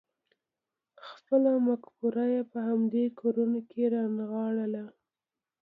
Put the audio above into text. خپله مفکوره یې په همدې کورونو کې رانغاړله.